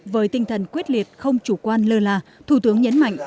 với tinh thần quyết liệt không chủ quan lơ là thủ tướng nhấn mạnh